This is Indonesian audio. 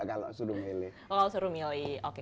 enggak kalau suruh milih